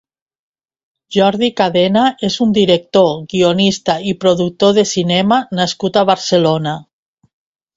Jordi Cadena és un director, guionista i productor de cinema nascut a Barcelona.